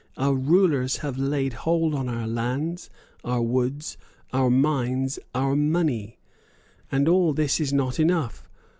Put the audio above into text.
Our rulers have laid hold on our lands, our woods, our mines, our money. And all this is not enough.